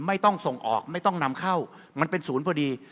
ไม่ต้องส่งออกไม่ต้องนำเข้ามันเป็นศูนย์พอดี